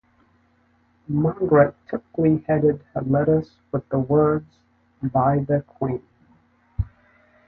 Margaret typically headed her letters with the words "By the Quene".